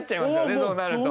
そうなると。